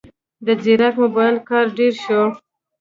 د ځیرک موبایل کارول ډېر شوي